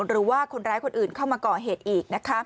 หรือว่าคนร้ายคนอื่นเข้ามาก่อเหตุอีก